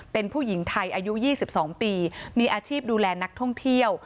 เป็นผู้หญิงไทยอายุ๒๒ปีมีอาชีพดูแลนักท่องเที่ยว